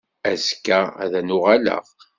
Azekka ad n-uɣaleɣ.